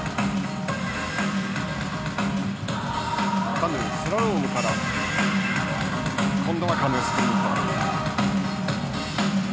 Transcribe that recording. カヌー・スラロームから今度はカヌー・スプリント。